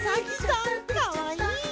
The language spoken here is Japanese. かわいい。